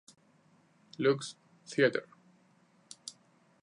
Luke's Theater.